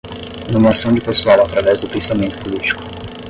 Nomeação de pessoal através do pensamento político